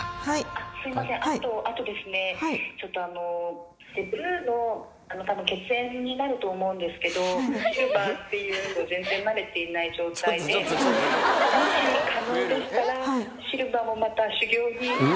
すみません、あとですね、ちょっとあの、ブルーのたぶん血縁になると思うんですけど、シルバーっていう、全然なれていない状態の猫で、もし可能でしたら、シルバーもまえ？